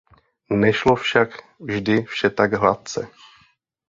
Nešlo však vždy vše tak hladce.